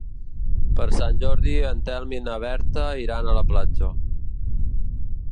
Per Sant Jordi en Telm i na Berta iran a la platja.